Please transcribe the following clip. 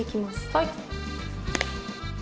はい。